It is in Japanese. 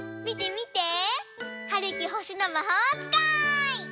みてみて！はるきほしのまほうつかい！